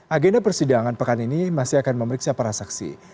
agenda persidangan pekan ini masih akan memeriksa para saksi